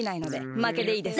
まけでいいです。